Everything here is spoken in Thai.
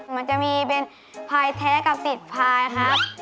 มันจะมีเป็นพายแท้กับติดพายครับ